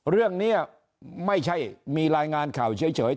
เรื่องนี้ไม่ใช่มีรายงานข่าวเฉย